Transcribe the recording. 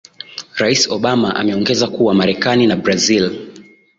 rais obama ameongeza kuwa marekani na brazil